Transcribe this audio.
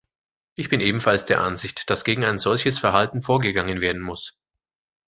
Ich bin ebenfalls der Ansicht, dass gegen ein solches Verhalten vorgegangen werden muss.